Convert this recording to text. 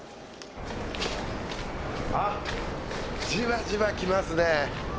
あっじわじわ来ますね。